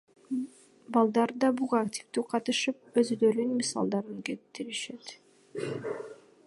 Балдар да буга активдүү катышып, өзүлөрүнүн мисалдарын кетиришет.